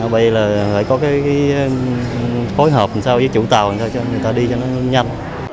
bây giờ là phải có cái phối hợp làm sao với chủ tàu làm sao cho người ta đi cho nó nhanh